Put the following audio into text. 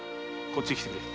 こっちへ来てくれ。